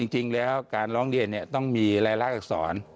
จริงแล้วการร้องเรียนต้องมีรายลักษร